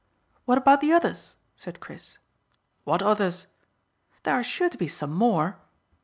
"What about the others?" said Chris. "What others?" "There are sure to be some more."